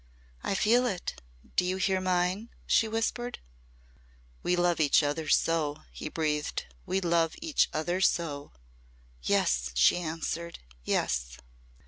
"I feel it. Do you hear mine?" she whispered. "We love each other so!" he breathed. "We love each other so!" "Yes," she answered. "Yes."